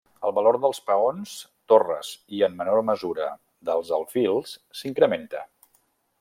El valor dels peons, torres, i en menor mesura, dels alfils, s’incrementa.